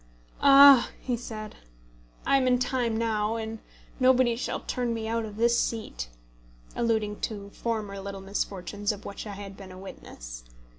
"Ah!" he said, "I am in time now, and nobody shall turn me out of this seat," alluding to former little misfortunes of which I had been a witness.